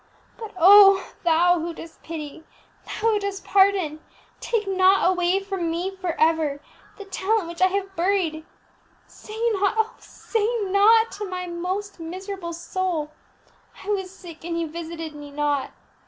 But oh, Thou who dost pity, Thou who dost pardon, take not away from me for ever the talent which I have buried; say not, oh, say not to my miserable soul, _I was sick, and ye visited me not!